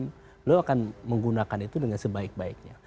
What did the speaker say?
beliau akan menggunakan itu dengan sebaik baiknya